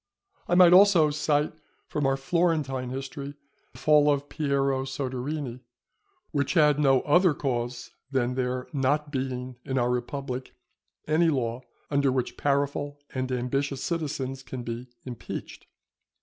I might also cite from our Florentine history the fall of Piero Soderini, which had no other cause than there not being in our republic any law under which powerful and ambitious citizens can be impeached.